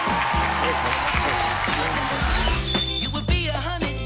お願いします